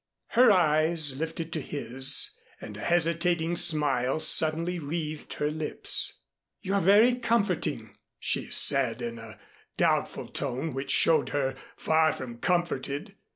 Her eyes lifted to his, and a hesitating smile suddenly wreathed her lips. "You're very comforting," she said, in a doubtful tone which showed her far from comforted.